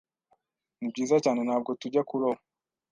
Nibyiza cyane ntabwo tujya kuroba.